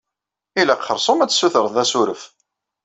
Ilaq xersum ad tsutreḍ asuref.